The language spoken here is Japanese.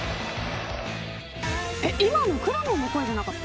今のくらもんの声じゃなかった。